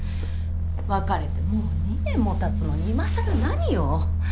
別れてもう２年もたつのにいまさら何よ。